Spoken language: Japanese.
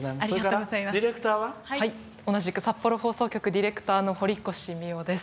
同じく札幌放送局ディレクターの堀越未生です。